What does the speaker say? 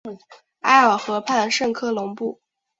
埃尔河畔圣科隆布。